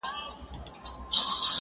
ته خو دا ټول کاينات خپله حافظه کي ساتې